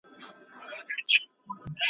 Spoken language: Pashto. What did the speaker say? تمدني علمونه